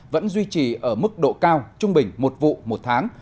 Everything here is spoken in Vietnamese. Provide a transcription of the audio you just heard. vẫn duy trì ở mức độ cao trung bình một vụ một tháng